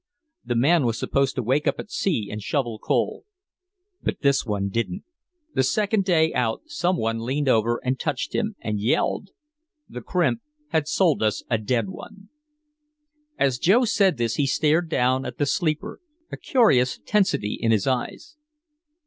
The man was supposed to wake up at sea and shovel coal. But this one didn't. The second day out some one leaned over and touched him and yelled. The crimp had sold us a dead one." As Joe said this he stared down at the sleeper, a curious tensity in his eyes.